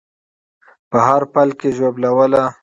په هر پل کې ژوبلوله